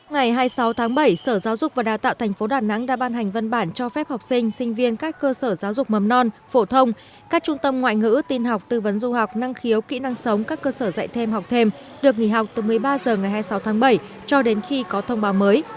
ngày hai mươi sáu tháng bảy sở giáo dục và đào tạo tp đà nẵng đã ban hành văn bản cho phép học sinh sinh viên các cơ sở giáo dục mầm non phổ thông các trung tâm ngoại ngữ tin học tư vấn du học năng khiếu kỹ năng sống các cơ sở dạy thêm học thêm được nghỉ học từ một mươi ba h ngày hai mươi sáu tháng bảy cho đến khi có thông báo mới